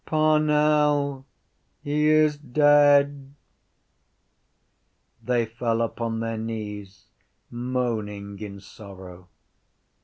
Parnell! He is dead! They fell upon their knees, moaning in sorrow.